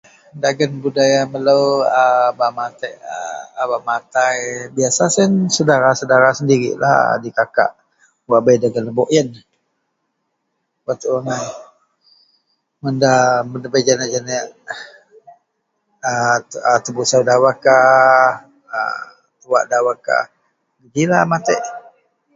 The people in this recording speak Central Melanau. Dagen budaya melou a bak matek aaa a bak matai biasa siyen sedara-sedara sendiriklah, adikakak wak bei dagen lebok yen wak tuu angai. Mun nda ndabei janeak-janeak, a tebusou dawekkah aaa wak dawekkah. Gejilah a matek